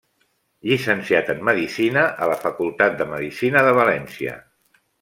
Llicenciat en medicina a la Facultat de Medicina de València.